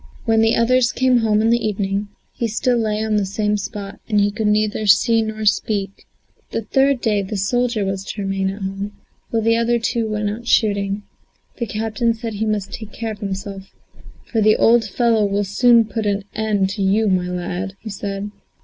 When the others came home in the evening, he still lay on the same spot and could neither see nor speak. The third day the soldier was to remain at home, while the other two went out shooting. The captain said he must take care of himself, "for the old fellow will soon put an end to you, my lad," said he.